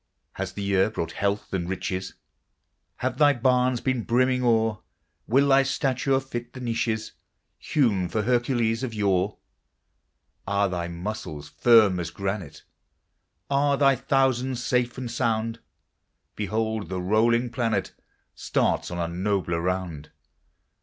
Has the year brought health and riches? Have thy barns been brimming o'er? Will thy stature fit the niches Hewn for Hercules of yore? Are thy muscles firm as granite? Are thy thousands safe and sound? Behold! the rolling planet Starts on a nobler round.